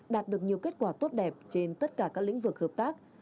đạt được nhiều kết quả tốt đẹp trên tất cả các lĩnh vực hợp tác